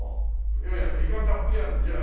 いやいや時間たっぷりあるので。